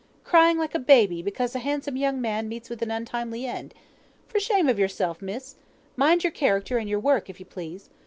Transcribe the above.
Crying like a baby, because a handsome young man meets with an untimely end. For shame of yourself, miss. Mind your character and your work if you please.